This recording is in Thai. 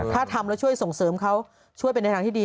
ถ้าทำแล้วช่วยส่งเสริมเขาช่วยเป็นในทางที่ดี